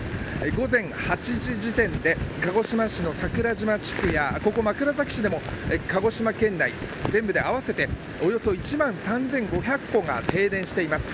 午前８時時点で鹿児島市の桜島地区やここ枕崎市でも鹿児島県内合わせておよそ１万３５００戸が停電しています。